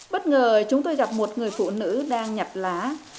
bất ngờ chúng tôi gặp một người phụ nữ đang nhập lá